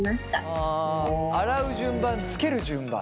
あ洗う順番つける順番？